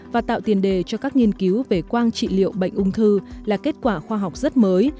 và tạo tiền đề cho các nghiên cứu về quang trị liệu bệnh ung thư là kết quả khoa học rất mới